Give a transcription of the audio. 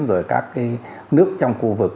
rồi các nước trong khu vực